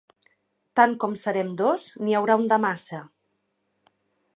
Tant com serem dos, n'hi haurà un de massa.